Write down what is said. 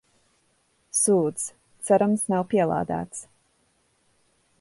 Sūds, cerams nav pielādēts.